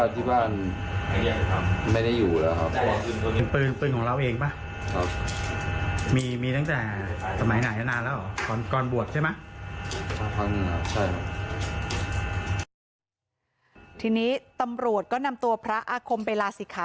ทีนี้ตำรวจก็นำตัวพระอาคมไปลาศิคะ